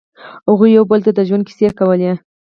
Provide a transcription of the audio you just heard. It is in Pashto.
هغوی یو بل ته د ژوند کیسې کولې.